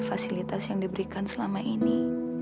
fasilitas yang diberikan selama ini